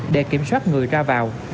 để kiểm soát người ra vào